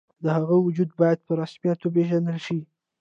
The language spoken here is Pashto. د هغه وجود باید په رسمیت وپېژندل شي.